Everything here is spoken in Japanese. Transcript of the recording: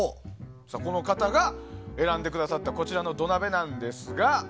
この方が選んでくださったこちらの土鍋なんですが。